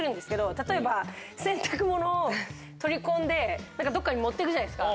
例えば洗濯物を取り込んでどっかに持ってくじゃないですか。